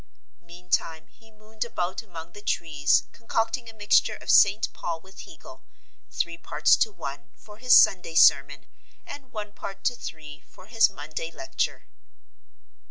Meantime he mooned about among the trees concocting a mixture of St. Paul with Hegel, three parts to one, for his Sunday sermon, and one part to three for his Monday lecture.